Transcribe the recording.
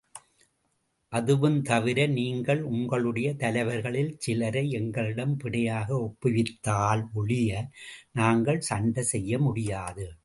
அதுவும் தவிர, நீங்கள் உங்களுடைய தலைவர்களில் சிலரை எங்களிடம் பிணையாக ஒப்புவித்தால் ஒழிய, நாங்கள் சண்டை செய்ய முடியாது.